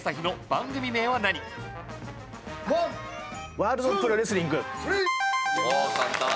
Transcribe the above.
『ワールドプロレスリング』。